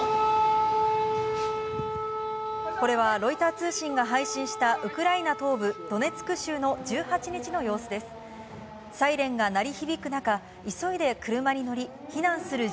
これはロイター通信が配信した、ウクライナ東部ドネツク州の１８日の様子です。